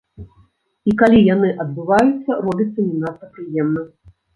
І калі яны адбываюцца, робіцца не надта прыемна.